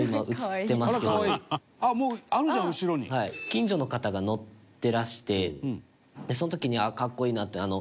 近所の方が乗ってらしてその時に、格好いいなって。